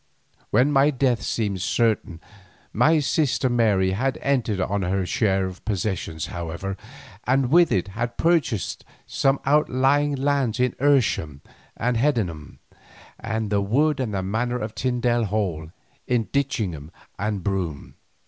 When my death seemed certain my sister Mary had entered on her share of my possessions, however, and with it had purchased some outlying lands in Earsham and Hedenham, and the wood and manor of Tyndale Hall in Ditchingham and Broome.